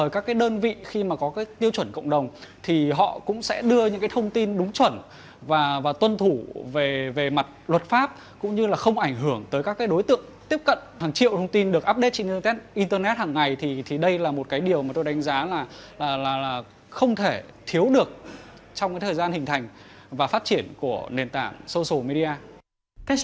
các sản thương mại điện tử hiện cung cấp